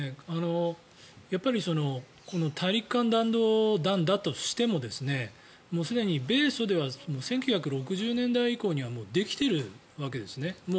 大陸間弾道弾だったとしてもすでに米ソでは１９６０年代以降にはできているわけですね。